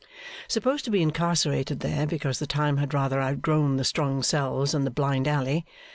Supposed to be incarcerated there, because the time had rather outgrown the strong cells and the blind alley.